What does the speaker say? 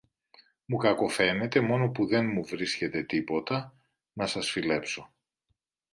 Μου κακοφαίνεται μόνο που δε μου βρίσκεται τίποτα να σας φιλέψω